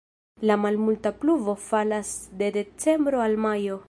La malmulta pluvo falas de decembro al majo.